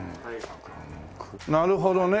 なるほどね。